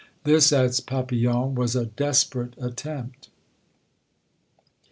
This," adds Papillon, "was a desperate attempt."